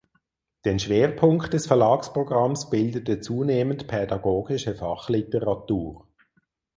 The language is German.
Den Schwerpunkt des Verlagsprogramms bildete zunehmend pädagogische Fachliteratur.